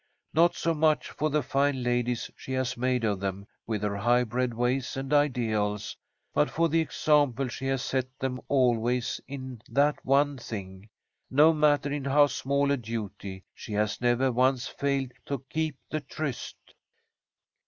Not so much for the fine ladies she has made of them with her high bred ways and ideals, but for the example she has set them always in that one thing. No matter in how small a duty, she has never once failed to keep the tryst."